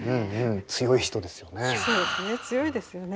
強い人ですよね。